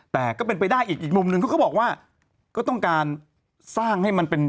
แต่ก็เป็นไปได้อีกอีกมุมหนึ่งเขาก็บอกว่าก็ต้องการสร้างให้มันเป็น